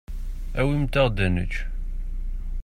Awimt-aɣ-d ad nečč.